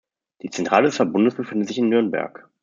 Die Zentrale des Verbundes befindet sich in Nürnberg.